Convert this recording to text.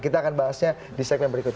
kita akan bahasnya di segmen berikutnya